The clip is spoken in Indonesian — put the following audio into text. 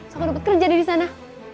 sama dupet kerja di disana